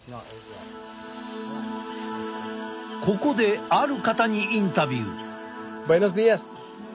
ここである方にインタビュー。